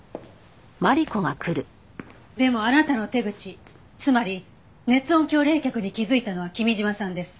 でもあなたの手口つまり熱音響冷却に気づいたのは君嶋さんです。